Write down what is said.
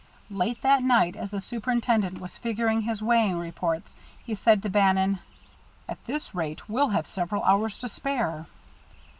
Late that night, as the superintendent was figuring his weighing reports, he said to Bannon; "At this rate, we'll have several hours to spare."